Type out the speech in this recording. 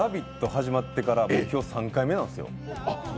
始まってから今日、３回目なんです。